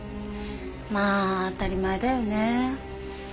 まあ当たり前だよね。